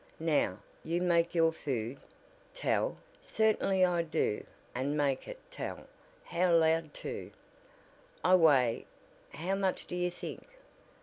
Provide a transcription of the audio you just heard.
Now, you make your food " "'Tell.' Certainly I do, and make it 'tell' out loud too. I weigh how much do you think?"